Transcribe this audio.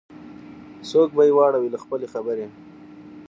څوک به یې واړوي له خپل خبري